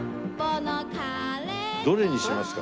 どれにしますか？